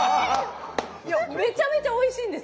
めちゃめちゃおいしいんです。